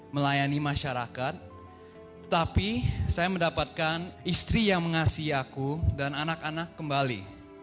melayani masyarakat tapi saya mendapatkan istri yang mengasihi aku dan anak anak kembali